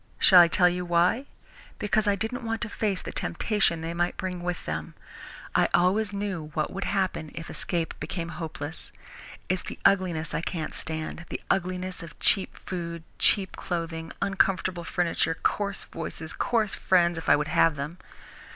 Shall I tell you why? Because I didn't want to face the temptation they might bring with them. I always knew what would happen if escape became hopeless. It's the ugliness I can't stand the ugliness of cheap food, cheap clothes, uncomfortable furniture, coarse voices, coarse friends if I would have them.